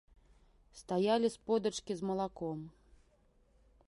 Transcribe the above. Стаялі сподачкі з малаком.